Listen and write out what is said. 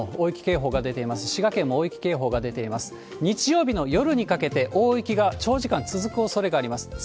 日曜日の夜にかけて、大雪が長時間続くおそれがあります。